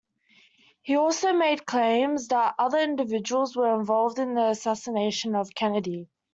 He also made claims that other individuals were involved in the assassination of Kennedy.